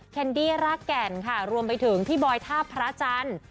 แคนดี้รากแก่นค่ะรวมไปถึงพี่บอยท่าพระจันทร์